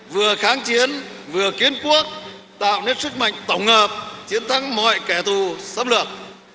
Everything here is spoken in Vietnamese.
vừa kháng chiến vừa kiến quốc tạo nét sức mạnh tổng hợp chiến thắng mọi kẻ thù xâm lược